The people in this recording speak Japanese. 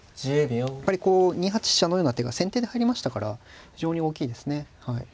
やっぱりこう２八飛車のような手が先手で入りましたから非常に大きいですねはい。